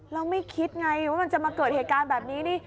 ไม่คิดไงว่ามันจะมาเกิดเหตุการณ์แบบนี้นี่